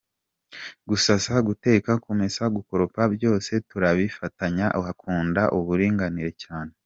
Gusasa, guteka, kumesa, gukoropa, byose turabifatanya, akunda uburinganire cyane”.